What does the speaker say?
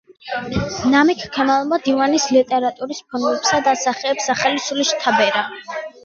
ნამიქ ქემალმა დივანის ლიტერატურის ფორმებსა და სახეებს ახალი სული შთაბერა.